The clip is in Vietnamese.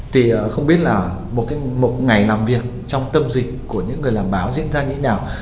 thì không biết là một ngày làm việc trong tâm dịch của những người làm báo diễn ra như thế nào